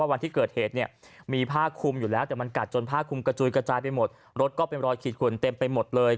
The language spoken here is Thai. อันนี้คือเจ้าของละเลย